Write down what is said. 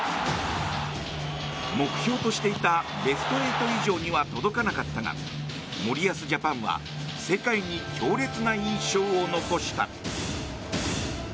目標としていたベスト８以上には届かなかったが森保ジャパンは世界に強烈な印象を残した。